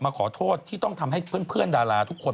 ขอโทษที่ต้องทำให้เพื่อนดาราทุกคน